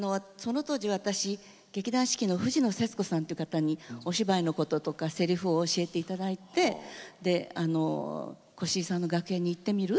当時、私は劇団四季の藤野節子さんという方にお芝居のこととかせりふを教えていただいていて越路さんの楽屋に行ってみる？